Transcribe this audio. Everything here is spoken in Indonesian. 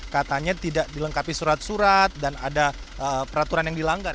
katanya tidak dilengkapi surat surat dan ada peraturan yang dilanggar